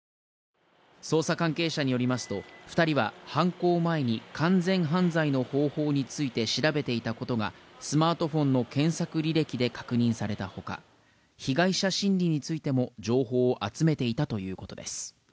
捜査関係者によりますと二人は犯行前に完全犯罪の方法について調べていたことがスマートフォンの検索履歴で確認されたほか被害者心理についても情報を集めていたということです